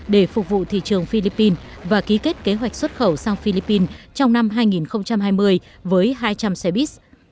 để phục vụ thị trường philippines và ký kết kế hoạch xuất khẩu sang philippines trong năm hai nghìn hai mươi với hai trăm linh xe buýt